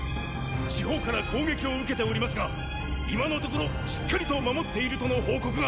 四方から攻撃を受けておりますが今のところしっかりと守っているとの報告が！